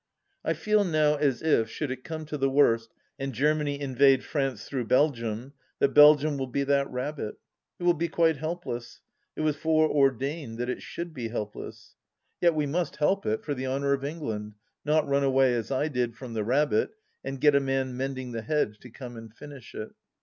... I feel now as if, should it come to the worst and Germany invade France through Belgium, that Belgium will be that rabbit. It will be quite helpless. It was fore ordained that it should be helpless. Yet we must help it, for the honour of England ; not run away as I did from the rabbit and get a man mending the hedge to come and finish it